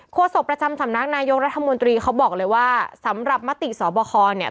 โศกประจำสำนักนายกรัฐมนตรีเขาบอกเลยว่าสำหรับมติสบคเนี่ย